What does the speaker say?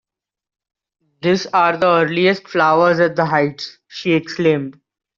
‘These are the earliest flowers at the Heights,’ she exclaimed.